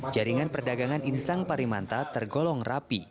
jaringan perdagangan insang parimanta tergolong rapi